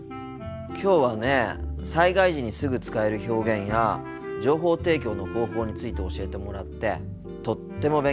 きょうはね災害時にすぐ使える表現や情報提供の方法について教えてもらってとっても勉強になったよ。